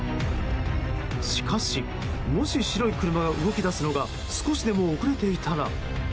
しかし、もし白い車が動き出すのが少しでも遅れていたら。